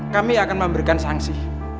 kami akan memberikan sanksi